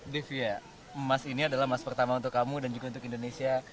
devia emas ini adalah emas pertama untuk kamu dan juga untuk indonesia